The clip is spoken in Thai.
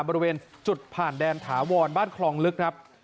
บริเวณจุดผ่านแดนถาวรบ้านคลองลึกครับ